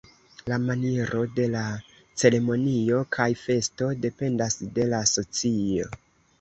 La maniero de la ceremonio kaj festo dependas de la socio.